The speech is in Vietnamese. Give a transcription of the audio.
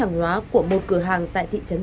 hàng hóa của một cửa hàng tại thị trấn